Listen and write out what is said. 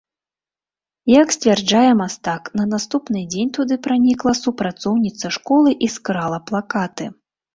Як сцвярджае мастак, на наступны дзень туды пранікла супрацоўніца школы і скрала плакаты.